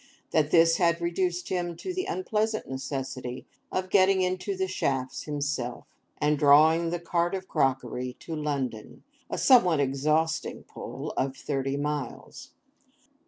That this had reduced him to the unpleasant necessity of getting into the shafts himself, and drawing the cart of crockery to London—a somewhat exhausting pull of thirty miles.